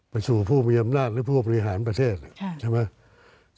ไปสู่ผู้มีอำนาจหรือผู้บริหารประเทศใช่ไหม